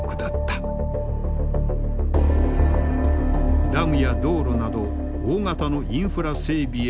ダムや道路など大型のインフラ整備への融資を加速。